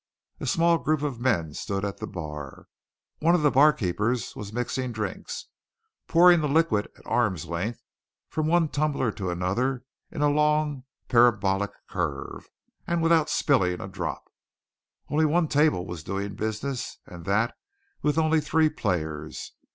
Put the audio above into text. A small group of men stood at the bar. One of the barkeepers was mixing drinks, pouring the liquid, at arm's length from one tumbler to another in a long parabolic curve, and without spilling a drop. Only one table was doing business, and that with only three players.